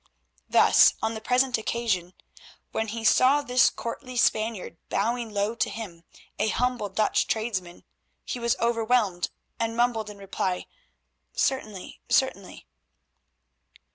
Thus, on the present occasion, when he saw this courtly Spaniard bowing low to him, a humble Dutch tradesman, he was overwhelmed, and mumbled in reply, "Certainly, certainly."